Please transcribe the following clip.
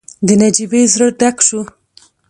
د نجيبې زړه ډک شو.